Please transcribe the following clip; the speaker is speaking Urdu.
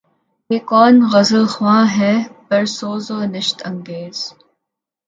یہ کون غزل خواں ہے پرسوز و نشاط انگیز